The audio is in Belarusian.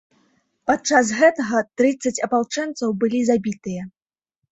Падчас гэтага, трыццаць апалчэнцаў былі забітыя.